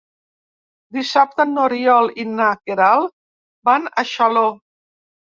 Dissabte n'Oriol i na Queralt van a Xaló.